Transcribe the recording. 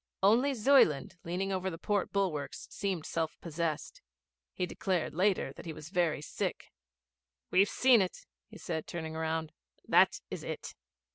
Only Zuyland, leaning over the port bulwarks, seemed self possessed. He declared later that he was very sick. 'We've seen it,' he said, turning round. 'That is it.'